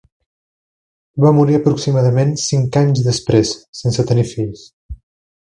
Va morir aproximadament cinc anys després sense tenir fills.